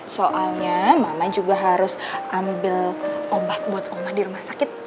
soalnya mama juga harus ambil obat buat omah di rumah sakit